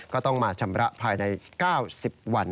ก็ต้องมาชำระภายใน๙๐วัน